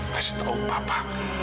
kasih tau papa